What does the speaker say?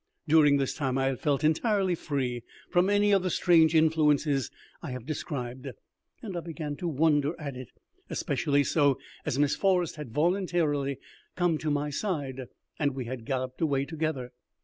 During this time I had felt entirely free from any of the strange influences I have described, and I began to wonder at it; especially so as Miss Forrest had voluntarily come to my side, and we had galloped away together.